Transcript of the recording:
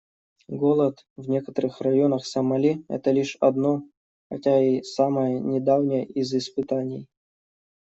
Голод в некоторых районах Сомали — это лишь одно, хотя и самое недавнее из испытаний.